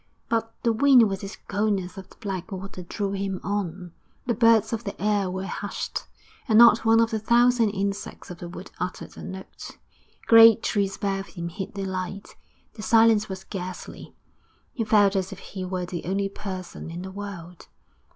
But the wind with its coldness of the black water drew him on.... The birds of the air were hushed, and not one of the thousand insects of the wood uttered a note. Great trees above him hid the light. The silence was ghastly; he felt as if he were the only person in the world.